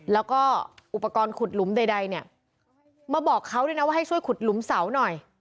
แล้วก็อุปกรณ์ขุดหลุมใดเนี่ยมาบอกเขาด้วยนะว่าให้ช่วยขุดหลุมเสาหน่อย